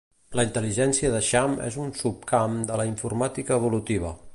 La intel·ligència d'eixam és un subcamp de la informàtica evolutiva.